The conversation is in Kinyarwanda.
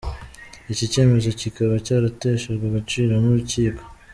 Iki cyemezo kikaba cyarateshejwe agaciro n’urukiko.